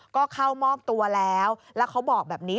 ก็เข้ามอบตัวแล้วแล้วเขาบอกแบบนี้